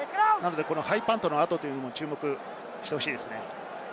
ハイパントの後も注目してほしいですね。